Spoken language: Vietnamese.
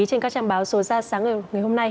trên các trang báo số ra sáng ngày hôm nay